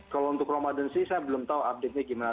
kalau untuk ramadan sih saya belum tahu update nya gimana